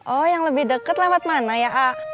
oh yang lebih deket lewat mana ya a'ah